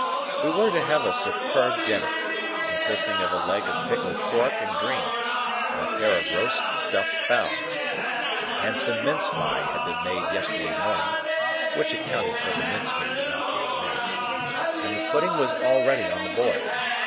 We were to have a superb dinner, consisting of a leg of pickled pork and greens, and a pair of roast stuffed fowls. A handsome mince pie had been made yesterday morning (which accounted for the mincemeat not being missed), and the pudding was already on the boil.